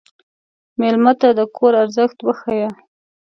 مېلمه ته د کور ارزښت وښیه.